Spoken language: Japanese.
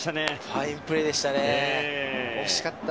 ファインプレーでしたね。